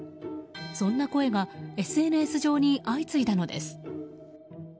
そんな声がＳＮＳ上に相次いだのです。